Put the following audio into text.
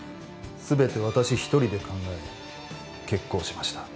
全て私一人で考え決行しました。